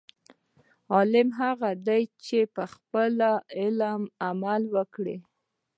عالم هغه دی، چې په خپل علم عمل وکړي.